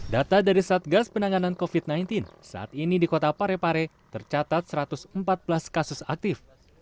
data dari satgas penanganan covid sembilan belas saat ini di kota parepare tercatat satu ratus empat belas kasus aktif